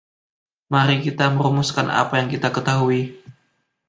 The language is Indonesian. Mari kita merumuskan apa yang kita ketahui.